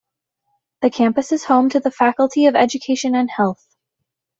The campus is home to the Faculty of Education and Health.